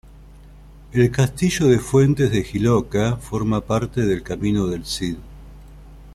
El castillo de fuentes de Jiloca forma parte del Camino del Cid.